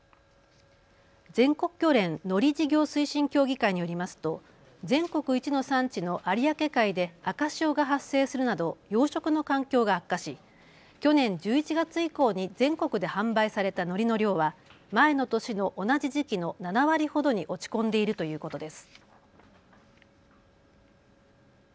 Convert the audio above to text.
全国漁連のり事業推進協議会によりますと全国一の産地の有明海で赤潮が発生するなど養殖の環境が悪化し去年１１月以降に全国で販売されたのりの量は前の年の同じ時期の７割ほどに落ち込んでいるということです。